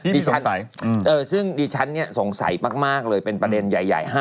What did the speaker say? ที่มีสงสัยเออซึ่งดิฉันนี่สงสัยมากเลยเป็นประเด็นใหญ่